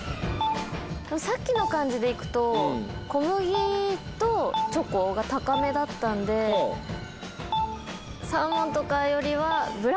さっきの感じでいくと小麦とチョコが高めだったんでサーモンとかよりはブラウニー。